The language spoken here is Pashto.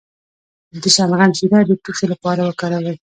د شلغم شیره د ټوخي لپاره وکاروئ